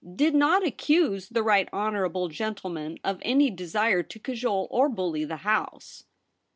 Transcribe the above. —* did not accuse the right honourable gentleman of any desire to cajole or bully the House.'